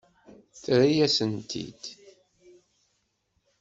Terra-yasen-tent-id.